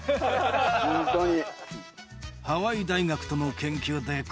ホントに。